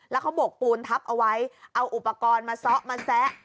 แล้วเขาบกปูนทับเอาไว้เอาอุปกรณ์มาซ้อมาแซะ